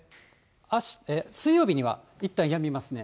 水曜日にはいったんやみますね。